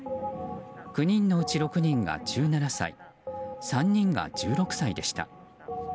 ９人のうち６人が１７歳３人が１６歳でした。